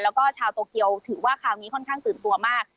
แล้วก็ชาวโตเกียวถือว่าคราวนี้ค่อนข้างตื่นตัวมาก